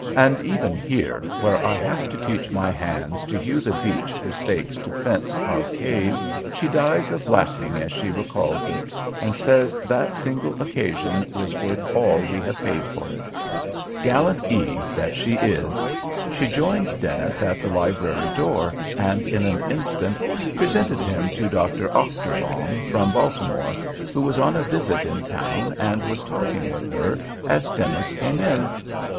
And even here, where I have to teach my hands to hew the beech for stakes to fence our cave, she dies of laughing as she recalls it—and says that single occasion was worth all we have paid for it. Gallant Eve that she is! She joined Dennis at the library door, and in an instant presented him to Dr. Ochterlong, from Baltimore, who was on a visit in town, and was talking with her, as Dennis came in.